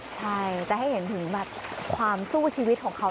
ใช่แต่ให้เห็นถึงแบบความสู้ชีวิตของเขา